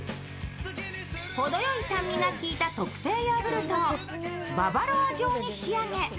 ほどよい酸味が効いた特製ヨーグルトをババロア状に仕上げ